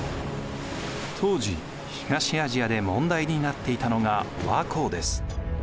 当時東アジアで問題になっていたのが倭寇です。